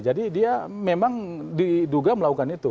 jadi dia memang diduga melakukan itu